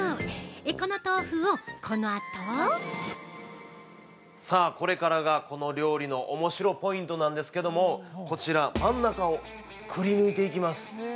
この豆腐を、このあと◆さあ、これからがこの料理のおもしろポイントなんですけどもこちら、真ん中をくり抜いていきます。